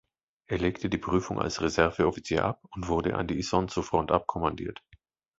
Er legte die Prüfung als Reserveoffizier ab und wurde an die Isonzo-Front abkommandiert.